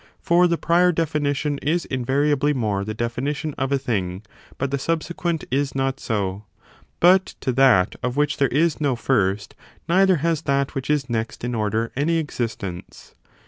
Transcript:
For the prior definition is invariably more the definition of a thing; but the subsequent is not so. But to that of which there is no first, neither has that which is next in order any existence.